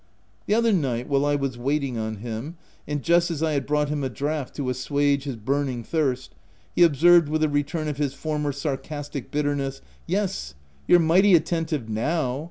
The other night while I was waiting on him, and just as I had brought him a draught to assuage his burning thirst — he observed, with a return of his former sarcastic bitterness, —" Yes, you're mighty attentive now